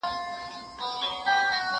زه لوبه کړې ده؟!